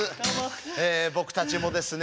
え僕たちもですね